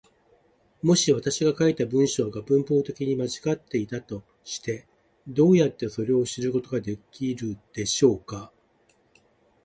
もし私が書いた文章が文法的に間違っていたとして、どうやってそれを知ることができるのでしょうか。